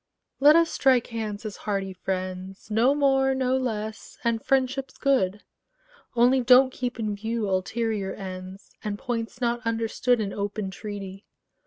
Let us strike hands as hearty friends; No more, no less: and friendship's good: Only don't keep in view ulterior ends, And points not understood In open treaty.